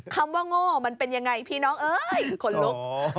คำว่าโง่มันเป็นยังไงพี่น้องเอ้ยขนลุก